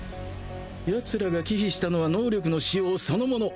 奴らが忌避したのは能力の使用そのもの。